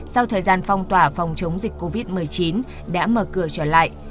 sau thời gian phong tỏa phòng chống dịch covid một mươi chín đã mở cửa trở lại